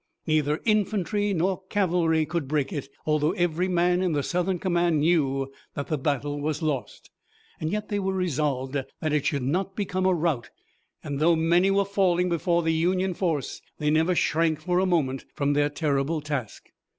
Neither infantry nor cavalry could break it, although every man in the Southern command knew that the battle was lost. Yet they were resolved that it should not become a rout, and though many were falling before the Union force they never shrank for a moment from their terrible task.